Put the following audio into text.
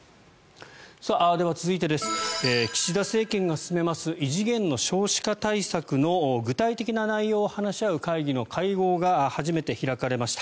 では、続いて岸田政権が進めます異次元の少子化対策の具体的な内容を話し合う会議の会合が初めて開かれました。